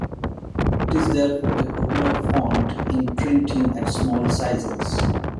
It is therefore a popular font in printing at small sizes.